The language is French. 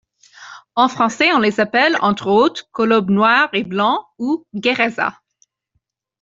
En français on les appelle, entre autres, colobes noir et blancs ou guérézas.